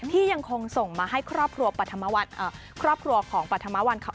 ที่ยังคงส่งมาให้ครอบครัวของปรารถมาศวรรษ